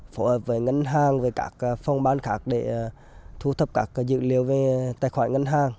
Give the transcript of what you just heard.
phù hợp với ngân hàng với các phong bán khác để thu thập các dự liệu về tài khoản ngân hàng